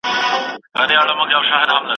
ګل ومه خزان سومه پر څانګه مي رژېږمه